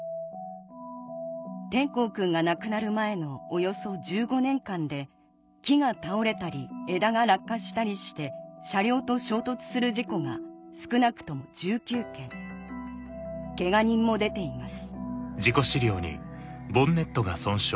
皇くんが亡くなる前のおよそ１５年間で木が倒れたり枝が落下したりして車両と衝突する事故が少なくとも１９件けが人も出ています